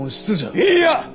いいや！